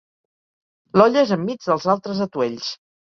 L'olla és enmig dels altres atuells.